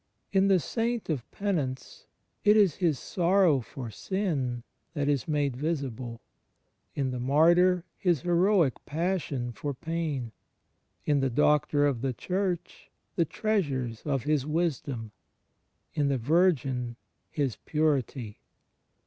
In the saint of penance it is His sorrow for sin that is made visible; in the martyr His heroic passion for pain; in the doctor of the Church, the treasures of His Wisdom; in the virgin. His purity.